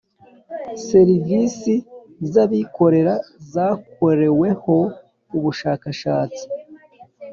Serivisi z abikorera zakoreweho ubushakashatsi